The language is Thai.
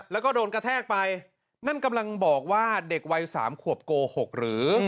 แล้วก็โดนกระแทกไปนั่นกำลังบอกว่าเด็กวัยสามขวบโกหกหรือ